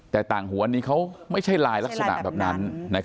แต่ต่างหัวอันนี้เขาไม่ใช่ลายลักษณะแบบนั้น